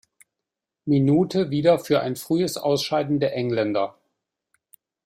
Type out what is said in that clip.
Minute wieder für ein frühes Ausscheiden der Engländer.